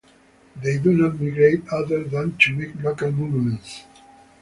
They do not migrate, other than to make local movements.